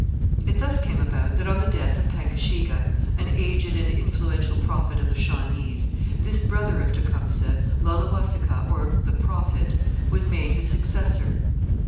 It thus came about that on the death of Pengashega, an aged and influential prophet of the Shawnees, this brother of Tecumseh, Laulewasikaw, or 'the Prophet,' was made his successor.